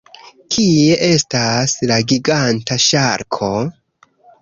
Kie estas la giganta ŝarko?